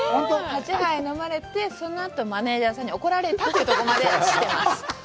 ８杯、飲まれて、そのあと、マネジャーさんに怒られたというところまで知ってます。